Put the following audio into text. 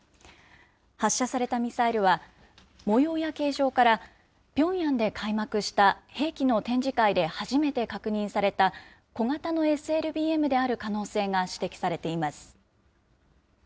発射されたミサイルは、模様や形状から、ピョンヤンで開幕した兵器の展示会で初めて確認された、小型のＳＬＢＭである可能性が指摘されています。